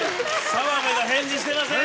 澤部が返事してません。